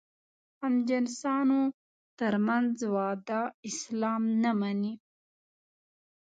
همجنسانو تر منځ واده اسلام نه مني.